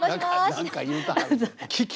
何か言うたはる。